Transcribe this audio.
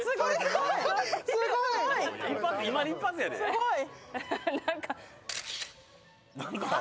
すごい！